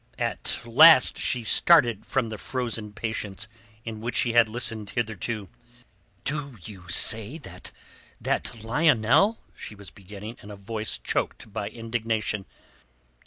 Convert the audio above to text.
At last she started from the frozen patience in which she had listened hitherto. "Do you say that... that Lionel...?" she was beginning in a voice choked by indignation.